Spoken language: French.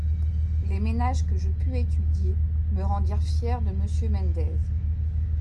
Les ménages que je pus étudier me rendirent fière de Monsieur Mendez.